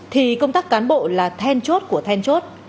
thì công tác cán bộ là then chốt của then chốt